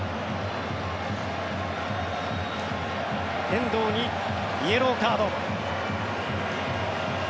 遠藤にイエローカード。